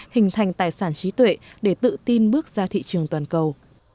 hình thành tài sản trí tuệ để tự tin bước ra thị trường toàn cầu